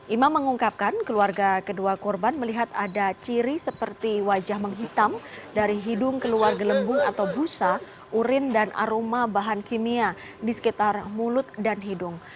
imam mengungkapkan keluarga kedua korban melihat ada ciri seperti wajah menghitam dari hidung keluar gelembung atau busa urin dan aroma bahan kimia di sekitar mulut dan hidung